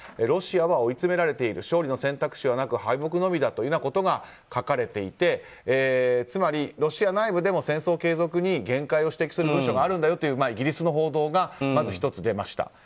ロシアは追いつめられている勝利の選択肢はなく敗北のみだというようなことが書かれていてつまり、ロシア内部でも戦争継続に限界を指摘する文書もあるんだよというイギリスの報道がまず１つ出ました。